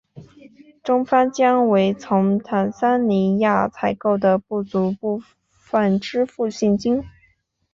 中方将为从坦桑尼亚采购的不足额部分支付现金。